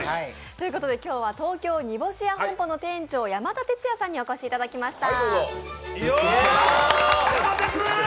今日は東京煮干屋本舗の店長山田鉄也さんにお越しいただきました。